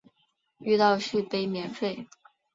遇到续杯免费